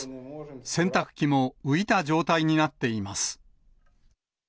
洗濯機も浮いた状態になっています。